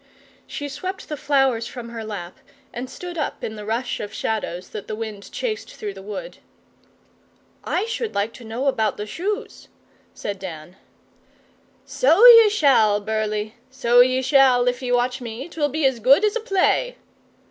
She swept the flowers from her lap and stood up in the rush of shadows that the wind chased through the wood. 'I should like to know about the shoes,' said Dan. 'So ye shall, Burleigh. So ye shall, if ye watch me. 'Twill be as good as a play.